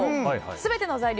全ての材料